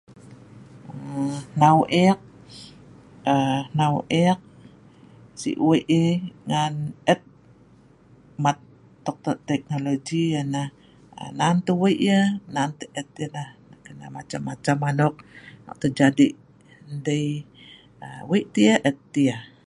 "aa""nhau eek' si wei yeh ngan et'mat teknologi yeh nah nan teh wei yeh nan tah et yeh."